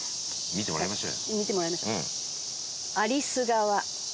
見てもらいましょう。